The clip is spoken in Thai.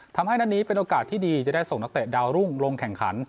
ทำให้นัดนี้เป็นโอกาสที่ดีจะได้ส่งนักเตะดาวรุ่งลงแข่งขัน